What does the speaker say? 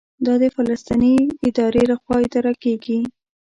دا د فلسطیني ادارې لخوا اداره کېږي.